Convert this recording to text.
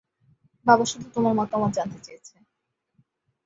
বাবা শুধু তোমার মতামত জানতে চেয়েছে।